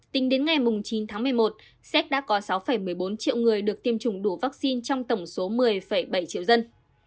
tính đến ngày chín tháng một mươi một séc đã có sáu một mươi bốn triệu người được tiêm chủng đủ vaccine trong tổng số một mươi bảy triệu dân